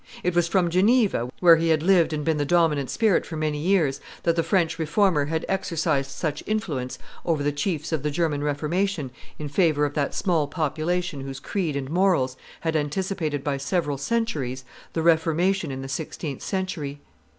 It was from Geneva, where he had lived and been the dominant spirit for many years, that the French Reformer had exercised such influence over the chiefs of the German Reformation in favor of that small population whose creed and morals had anticipated by several centuries the Reformation in the sixteenth century.